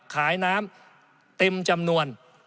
ขายน้ำเต็มจำนวน